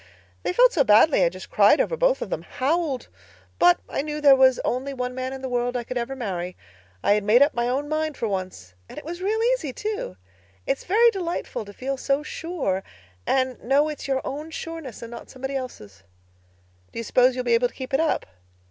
They felt so badly I just cried over both of them—howled. But I knew there was only one man in the world I could ever marry. I had made up my own mind for once and it was real easy, too. It's very delightful to feel so sure, and know it's your own sureness and not somebody else's." "Do you suppose you'll be able to keep it up?"